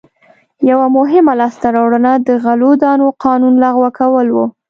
یوه مهمه لاسته راوړنه د غلو دانو قانون لغوه کول و.